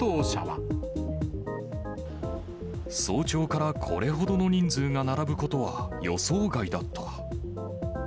早朝から、これほどの人数が並ぶことは予想外だった。